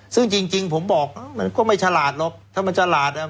ซึ่งจริงผมบอกมันก็ไม่ฉลาดหรอกถ้ามันฉลาดอ่ะ